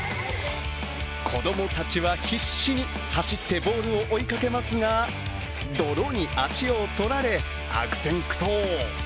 子供たちは必死に走ってボールを追いかけますが、泥に足を取られ、悪戦苦闘。